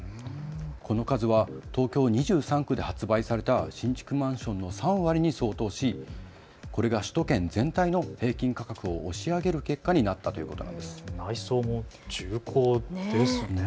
この数は東京２３区で発売された新築マンションの３割に相当しこれが首都圏全体の平均価格を押し上げる結果になったということなんです。